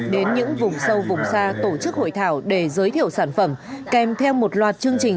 đến những vùng sâu vùng xa tổ chức hội thảo để giới thiệu sản phẩm kèm theo một loạt chương trình